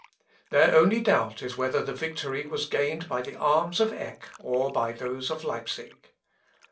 Their only doubt is whether the victory was gained by the arms of Eck, or by those of Leipsic.